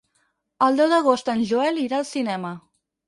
El deu d'agost en Joel irà al cinema.